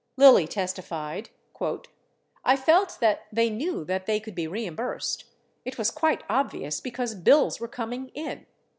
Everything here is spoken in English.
Lilly testified : "I felt that they knew that they could be reimbursed. It was quite obvious, because bills were coming in."